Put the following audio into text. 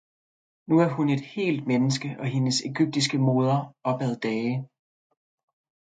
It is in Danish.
»nu er hun et heelt Menneske og hendes ægyptiske Moder opad Dage.